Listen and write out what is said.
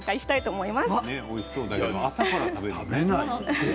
おいしそうだけれども朝から食べない。